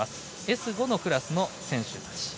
Ｓ５のクラスの選手たち。